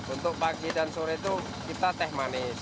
untuk pagi dan sore itu kita teh manis